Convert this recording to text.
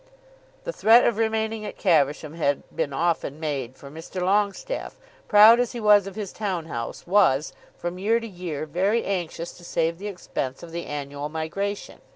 The threat of remaining at Caversham had been often made, for Mr. Longestaffe, proud as he was of his town house, was, from year to year, very anxious to save the expense of the annual migration.